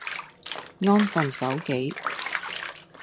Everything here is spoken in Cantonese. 安分守己